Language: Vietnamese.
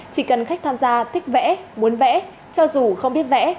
chỉ cần khách tham gia thích vẽ muốn vẽ cho dù không biết vẽ